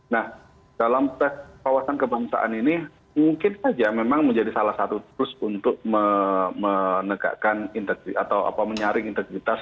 nah dalam tes wawasan kebangsaan ini mungkin saja memang menjadi salah satu terus untuk menegakkan integritas atau menyaring integritas